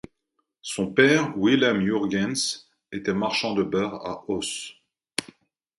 Son père Willem Jurgens était marchand de beurre à Oss.